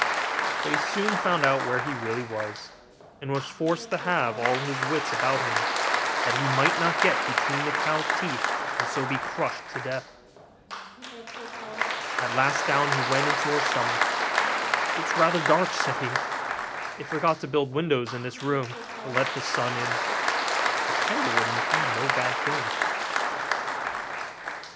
But he soon found out where he really was; and was forced to have all his wits about him, that he might not get between the cow's teeth, and so be crushed to death. At last down he went into her stomach. 'It is rather dark,' said he; 'they forgot to build windows in this room to let the sun in; a candle would be no bad thing.